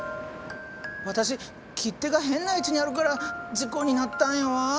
私切手が変な位置にあるから事故になったんやわ！